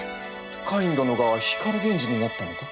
カイン殿が光源氏になったのか？